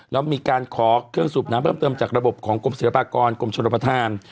แล้วมีการขอเครื่องสูบน้ำเพิ่มเติมจากระบบของกรมศิลปากรกรมชนประธาน